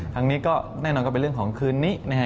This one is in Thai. ทางนี้ก็แน่นอนก็เป็นเรื่องของคืนนี้นะฮะ